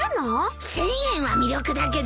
１，０００円は魅力だけど。